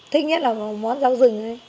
thích nhất là món rau rừng